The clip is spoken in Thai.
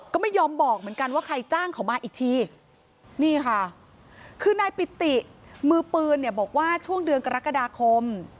ก็ไม่ยอมบอกเหมือนกันว่าใครจ้างเขามาอีกทีนี่ค่ะคือนายปิติมือปืนเนี่ยบอกว่าช่วงเดือนกรกฎาคม